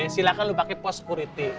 silakan lu pake pos security